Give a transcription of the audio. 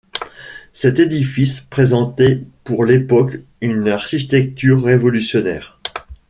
Cet édifice présentait pour l'époque une architecture révolutionnaire.